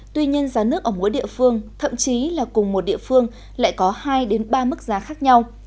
tuy nhiên giá nước ở mỗi địa phương thậm chí là cùng một địa phương lại có hai ba mức giá khác nhau